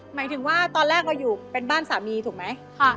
หมายถึงว่าตอนแรกเราอยู่เป็นบ้านสามีถูกไหม